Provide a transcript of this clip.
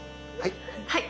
はい。